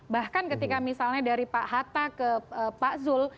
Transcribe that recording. bahkan ketika misalnya dari pak hatta ke pak zul